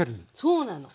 そうなの。